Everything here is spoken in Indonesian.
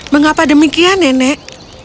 mengapa demikian nenek